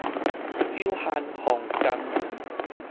久旱逢甘霖